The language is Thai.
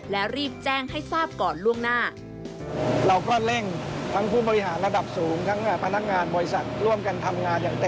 และรีบแจ้งให้ทราบก่อนล่วงหน้า